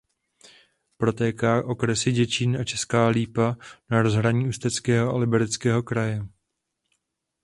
Protéká okresy Děčín a Česká Lípa na rozhraní Ústeckého a Libereckého kraje.